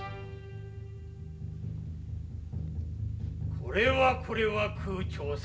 これはこれは空澄様。